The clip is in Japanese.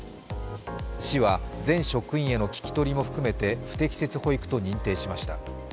市は全職員への聞き取りも含めて不適切保育と認定しました。